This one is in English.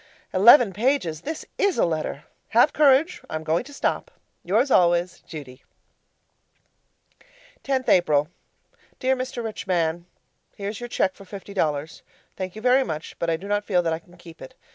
Eleven pages this is a letter! Have courage. I'm going to stop. Yours always, Judy 10th April Dear Mr. Rich Man, Here's your cheque for fifty dollars. Thank you very much, but I do not feel that I can keep it.